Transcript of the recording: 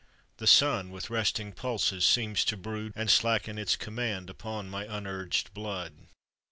The sun with resting pulses seems to brood, And slacken its command upon my unurged blood.